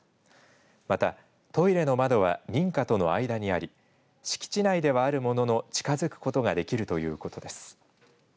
またトイレの窓は民家との間にあり敷地内ではあるものの近づくことができるということです。